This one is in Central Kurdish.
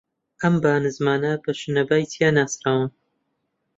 ئەم با نزمانە بە شنەبای چیا ناسراون